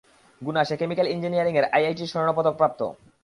গুনা, সে কেমিকেল ইঞ্জিনিয়ারিংয়ের আইআইটি-র স্বর্ণপদকপ্রাপ্ত।